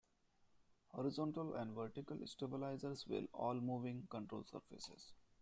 Horizontal and vertical stabilizers were "all-moving" control surfaces.